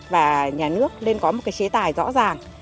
và nhà nước nên có một cái chế tài rõ ràng